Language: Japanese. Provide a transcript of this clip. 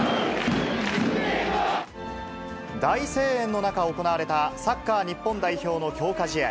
大声援の中、行われたサッカー日本代表の強化試合。